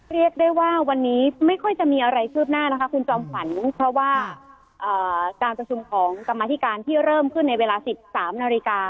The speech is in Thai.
เรียกได้ว่าวันนี้ไม่ค่อยจะมีอะไรคืบหน้านะคะคุณจอมขวัญเพราะว่าการประชุมของกรรมธิการที่เริ่มขึ้นในเวลา๑๓นาฬิกา